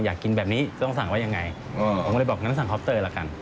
อยากกินแบบนี้ต้องสั่งว่ายังไงผมก็เลยบอกงั้นสั่งคอปเตอร์ละกัน